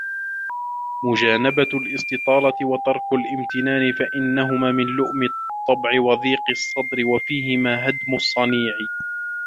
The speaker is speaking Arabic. مُجَانَبَةُ الِاسْتِطَالَةِ وَتَرْكُ الِامْتِنَانِ فَإِنَّهُمَا مِنْ لُؤْمِ الطَّبْعِ وَضِيقِ الصَّدْرِ وَفِيهِمَا هَدْمُ الصَّنِيعِ